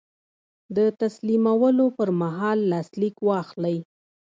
د تسلیمولو پر مهال لاسلیک واخلئ.